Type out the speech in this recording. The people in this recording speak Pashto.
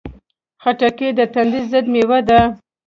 خټکی د تندې ضد مېوه ده.